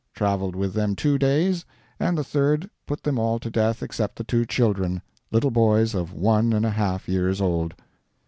Traveled with them two days, and the third put them all to death except the two children, little boys of one and a half years old."